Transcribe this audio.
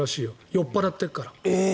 酔っ払ってるから。